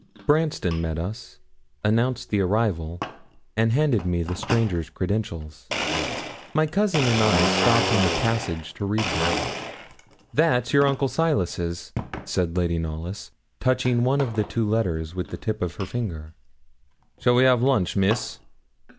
Branston met us, announced the arrival, and handed me the stranger's credentials. My cousin and I stopped in the passage to read them. 'That's your uncle Silas's,' said Lady Knollys, touching one of the two letters with the tip of her finger. 'Shall we have lunch, Miss?'